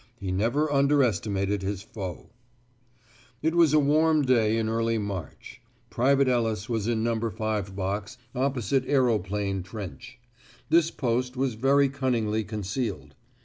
He never under estimated his foe. It was a warm day in early March. Private Ellis was in No. 5 Box, opposite Aeroplane Trench. This post was very cunningly concealed.